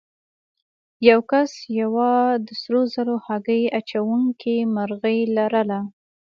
یو کس یوه د سرو زرو هګۍ اچوونکې مرغۍ لرله.